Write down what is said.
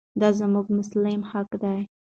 دا زموږ مسلم حق دی.